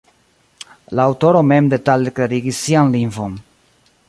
La aŭtoro mem detale klarigis sian lingvon.